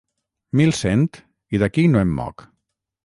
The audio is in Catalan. Mil cent i d'aquí no em moc.